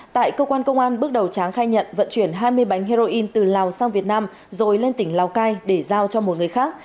tại cơ quan công an bước đầu tráng khai nhận vận chuyển hai mươi bánh heroin từ lào sang việt nam rồi lên tỉnh lào cai để giao cho một người khác